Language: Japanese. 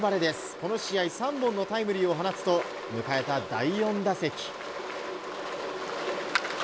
この試合３本のタイムリーを放つと迎えた第４打席。